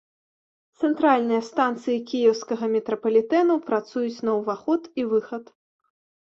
Цэнтральныя станцыі кіеўскага метрапалітэну працуюць на ўваход і выхад.